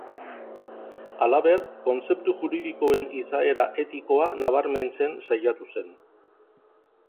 Halaber, kontzeptu juridikoen izaera etikoa nabarmentzen saiatu zen.